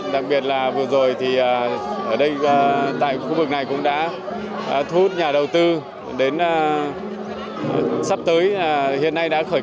đặc biệt là vừa rồi thì ở đây tại khu vực này cũng đã thu hút nhà đầu tư đến sắp tới hiện nay đã khởi